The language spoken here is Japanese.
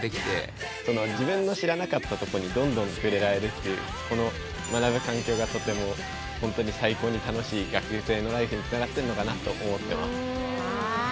自分の知らなかったところにどんどん触れられるっていうこの学ぶ環境がとてもホントに最高に楽しい学生のライフに繋がってるのかなと思ってます。